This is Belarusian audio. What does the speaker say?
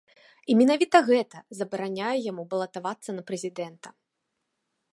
І менавіта гэта забараняе яму балатавацца на прэзідэнта.